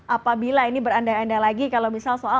apabila ini berandai andai apakah anda akan mencari pertimbangan